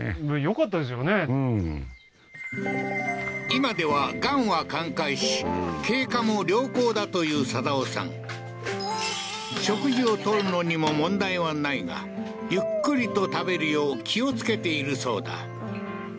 今では癌は寛解し経過も良好だという定夫さん食事を取るのにも問題はないがゆっくりと食べるよう気をつけているそうだ